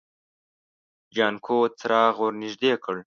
جانکو څراغ ور نږدې کړ.